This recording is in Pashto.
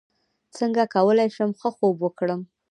څنګه کولی شم ښه خوب وکړم